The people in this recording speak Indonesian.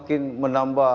itu kan semakin menambah